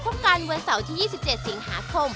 พบกันวันเสาร์ที่๒๗สิงหาคม